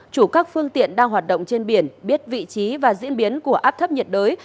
chủ các phương tiện đang hoạt động trên biển biết vị trí và diễn biến của áp thấp nhiệt đới